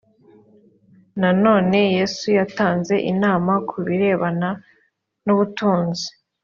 nanone yesu yatanze inama ku birebana n ubutunzi